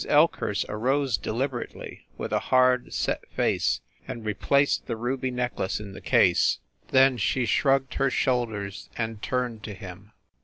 Elkhurst arose deliberately, with a hard, set face, and replaced the ruby necklace in the case. Then she shrugged her shoulders and turned to him.